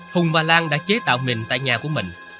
hùng và lan đã chế tạo mình tại nhà của mình